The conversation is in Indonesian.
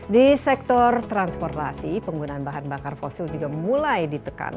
di sektor transportasi penggunaan bahan bakar fosil juga mulai ditekan